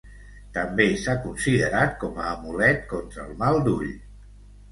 També s'ha considerat com a amulet contra el mal d'ull.